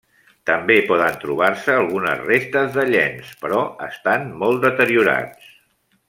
També poden trobar-se algunes restes de llenç però estan molt deteriorats.